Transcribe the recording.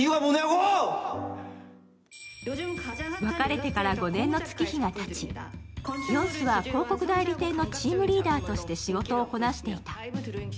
分かれてから５年の月日がたちヨンスは広告代理店のチームリーダーとして仕事をこなしていた。